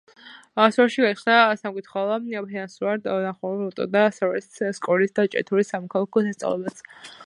სვერში გაიხსნა სამკითხველო, ფინანსურ დახმარებას უწევდა სვერის სკოლას და ჭიათურის სამოქალაქო სასწავლებელს.